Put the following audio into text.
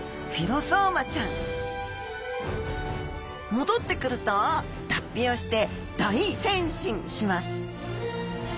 戻ってくると脱皮をして大変身します。